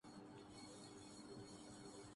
بے بسی کے حصار میں ہوں۔